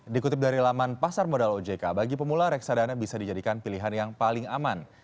dikutip dari laman pasar modal ojk bagi pemula reksadana bisa dijadikan pilihan yang paling aman